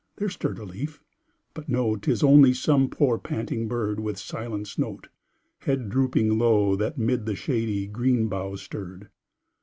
there stirred a leaf, but no, Tis only some poor, panting bird, With silenced note, head drooping low, That 'mid the shady green boughs stirred.